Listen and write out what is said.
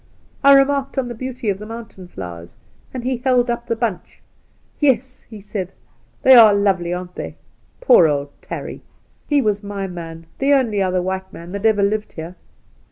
I remarked on the beauty of the mountain flowers, and he held up the bunch. •'" Yes," ' he said, " they are lovely, aren't they ? Poor old Tarry ! He was my man — the only other white man that ever lived here.